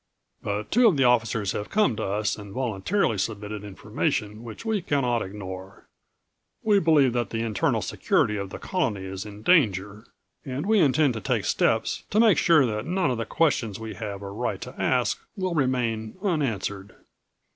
But two of the officers have come to us and voluntarily submitted information which we cannot ignore. We believe that the internal security of the Colony is in danger and we intend to take steps to make sure that none of the questions we have a right to ask will remain unanswered."